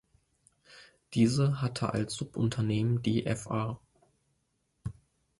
Diese hatte als Subunternehmen die Fa.